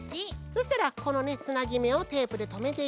そうしたらこのねつなぎめをテープでとめていきましょう。